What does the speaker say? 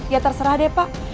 ya terserah deh pak